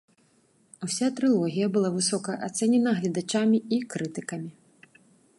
Уся трылогія была высока ацэнена гледачамі і крытыкамі.